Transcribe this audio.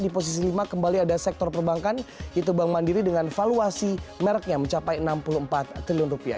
di posisi lima kembali ada sektor perbankan yaitu bank mandiri dengan valuasi mereknya mencapai enam puluh empat triliun rupiah